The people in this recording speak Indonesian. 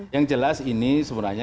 yang jelas ini sebenarnya